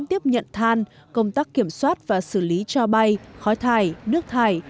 tiếp nhận than công tác kiểm soát và xử lý cho bay khói thải